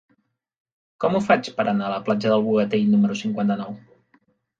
Com ho faig per anar a la platja del Bogatell número cinquanta-nou?